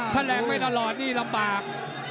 ถ้าแรงไม่ตลอดนี่ลำบาก